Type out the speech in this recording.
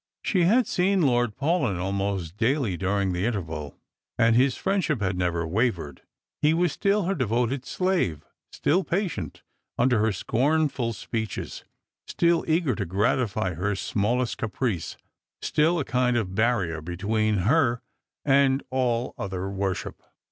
She had seen Lord Paulyn almost daily during the interval, and his friendship had never wavered. He was still her devoted a^ave, still patient under her scornful uoewihes, still 192 Strangera and Pilgrims. eager to gratify her smallest caprice, still a kind of barrier be» tween her and all other worship.